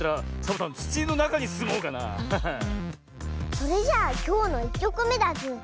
それじゃあきょうの１きょくめだズー。